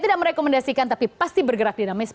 tidak merekomendasikan tapi pasti bergerak dinamis